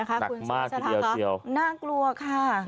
หนักมากเยี่ยวค่ะน่ากลัวค่ะ